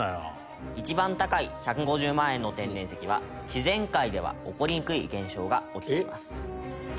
一番高い１５０万円の天然石は自然界では起こりにくい現象が起きています。